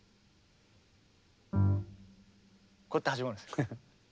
こうやって始まるんですよ。